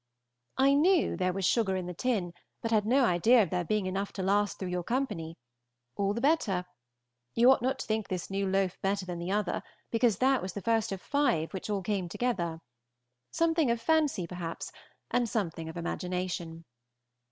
I knew there was sugar in the tin, but had no idea of there being enough to last through your company. All the better. You ought not to think this new loaf better than the other, because that was the first of five which all came together. Something of fancy, perhaps, and something of imagination.